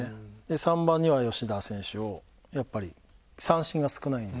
３番には吉田選手をやっぱり三振が少ないんで。